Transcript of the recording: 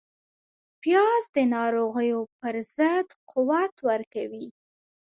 پیاز د ناروغیو پر ضد قوت ورکوي